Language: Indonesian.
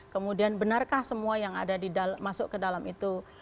kemudian benarkah semua yang ada masuk ke dalam itu